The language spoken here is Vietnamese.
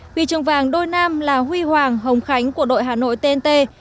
huy trường vàng đôi nam là huy hoàng hồng khánh của đội hà nội tnt